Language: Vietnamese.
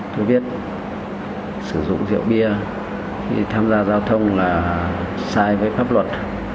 tôi biết sử dụng rượu bia khi tham gia giao thông là sai với pháp luật